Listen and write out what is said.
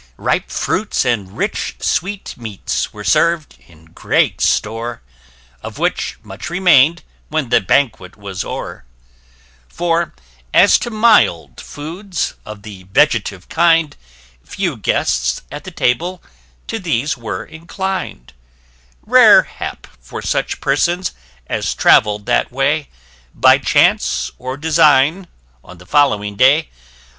Ripe fruits and rich sweet meats were serv'd, in great store, [p 14] Of which much remain'd when the banquet was o'er; For, as to mild foods of the vegetive kind, Few guests at the table to these were inclin'd; Rare hap for such persons as travell'd that way, By chance or design, on the following day.